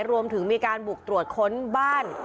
รวมถึงมีการบุกตรวจค้นบ้าน